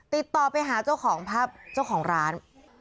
ติดต่อไปหาเจ้าของร้าน